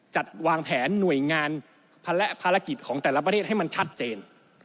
จัดวางแผนหน่วยงานภารกิจของแต่ละประเทศให้มันชัดเจน